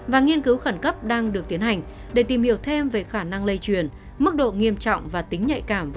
và nghiên cứu khẩn cấp đang được tiến hành để tìm hiểu thêm về khả năng lây truyền